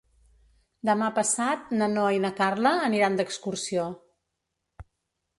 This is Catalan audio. Demà passat na Noa i na Carla aniran d'excursió.